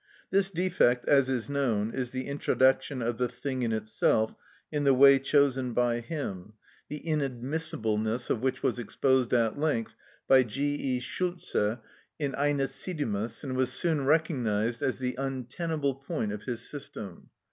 This defect, as is known, is the introduction of the thing in itself in the way chosen by him, the inadmissibleness of which was exposed at length by G. E. Schulze in "Ænesidemus," and was soon recognised as the untenable point of his system.